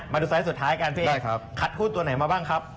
ไซส์สุดท้ายกันพี่เอกคัดหุ้นตัวไหนมาบ้างครับ